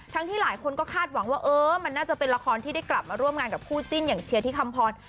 ที่หลายคนก็คาดหวังว่าเออมันน่าจะเป็นละครที่ได้กลับมาร่วมงานกับคู่จิ้นอย่างเชียร์ที่คำพร